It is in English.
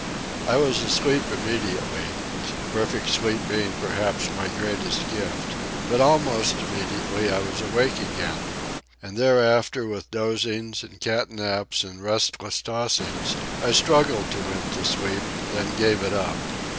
I was asleep immediately—perfect sleep being perhaps my greatest gift; but almost immediately I was awake again. And thereafter, with dozings and cat naps and restless tossings, I struggled to win to sleep, then gave it up.